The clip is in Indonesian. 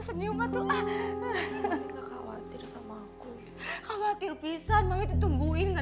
b kamu tuh harusnya sabar sama adriana